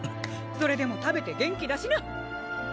それでも食べて元気出しな。